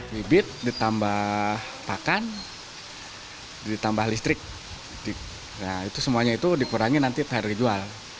bibit ditambah pakan ditambah listrik itu semuanya itu dikurangi nanti pr dijual